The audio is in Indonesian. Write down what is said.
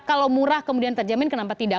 kalau murah kemudian terjamin kenapa tidak